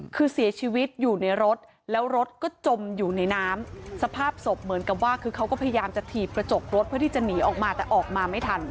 คือเสียชีวิตอยู่ในรถแล้วรถก็จมอยู่ในน้ำสภาพศพเหมือนกับว่าคือเขาก็พยายามจะถีบกระจกรถเพื่อที่จะหนีออกมาแต่ออกมาไม่ทัน